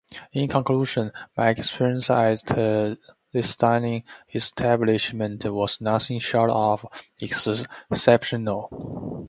In conclusion, my experience at this dining establishment was nothing short of exceptional.